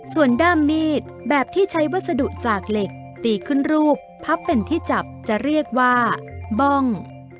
ส่วนด้ามมีดแบบที่ใช้วัสดุจากเหล็กตีขึ้นรูปพับเป็นที่จับจะเรียกว่าบ้อง